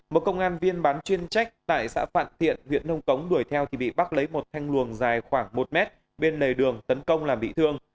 một công an viên bán chuyên trách tại xã phạn tiện huyện nông cống đuổi theo thì bị bắc lấy một thanh luồng dài khoảng một mét bên lề đường tấn công làm bị thương